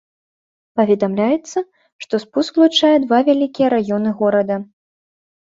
Паведамляецца, што спуск злучае два вялікія раёны горада.